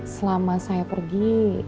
selama saya pergi